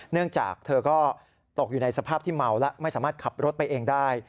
เนื่องจากเธอก็ตกอยู่ในสภาพที่เมาและไม่สามารถขับรถไปเองได้